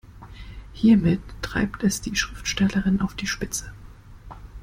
Hiermit treibt es die Schriftstellerin auf die Spitze.